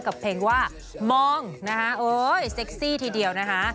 กับเพลงว่ามองนะคะโอ๊ยเซ็กซี่ทีเดียวนะคะ